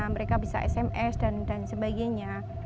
mereka bisa sms dan sebagainya